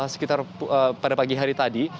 sekitar pada pagi hari tadi